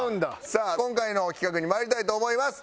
さあ今回の企画にまいりたいと思います。